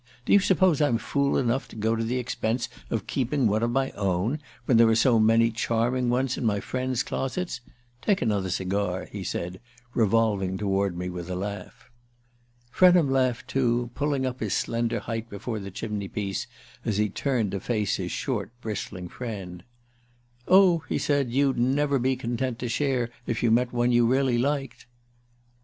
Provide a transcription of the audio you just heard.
Do you suppose I'm fool enough to go to the expense of keeping one of my own, when there are so many charming ones in my friends' closets? Take another cigar," he said, revolving toward me with a laugh. Frenham laughed too, pulling up his slender height before the chimney piece as he turned to face his short bristling friend. "Oh," he said, "you'd never be content to share if you met one you really liked."